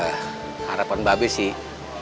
harapan mbak be sih